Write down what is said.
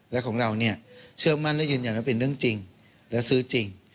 และของเราเนี่ยเชื่อมั่นและยืนยันว่าเป็นเรื่องจริงและซื้อจริง